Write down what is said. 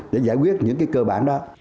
để giải quyết những cái cơ bản đó